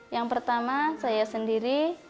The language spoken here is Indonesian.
yang pertama saya sendiri